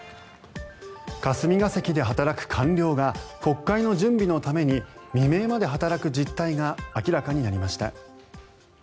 霞が関で働く官僚が国会の準備のために未明まで働く実態が明らかになりました。